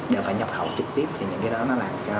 đều phải nhập khẩu trực tiếp thì những cái đó nó làm cho